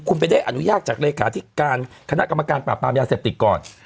คุณไปได้อนุญาตจากเลขาธิการคณะกรรมการปราบปรามยาเสพติดก่อน